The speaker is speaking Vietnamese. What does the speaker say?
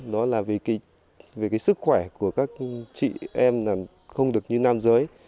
đó là về cái sức khỏe của các chị em không được như nam giới